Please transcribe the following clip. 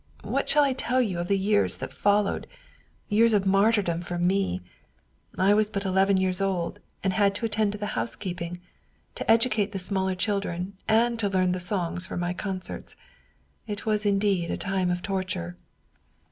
What shall I tell you of the years that followed, years of martyrdom for me? I was but eleven years old, and had to attend to the housekeeping, 102 Wilhelm Hauff to educate the smaller children, and to learn the songs for my concerts. It was indeed a time of torture